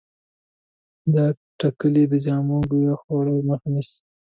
دا ټېکلې د جامو کویه خوړو مخه نیسي.